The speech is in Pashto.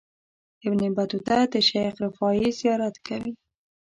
ابن بطوطه د شیخ رفاعي زیارت کوي.